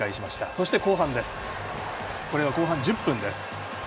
そして、後半１０分です。